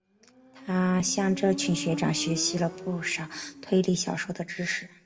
他向这群学长学习了不少推理小说的知识。